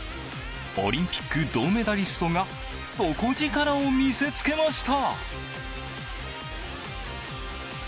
オリンピック銅メダリストが底力を見せつけました。